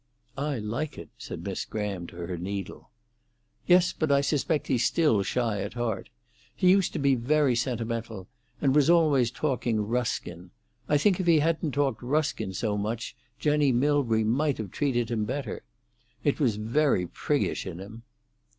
"I like it," said Miss Graham, to her needle. "Yes; but I suspect he's still shy, at heart. He used to be very sentimental, and was always talking Ruskin. I think if he hadn't talked Ruskin so much, Jenny Milbury might have treated him better. It was very priggish in him."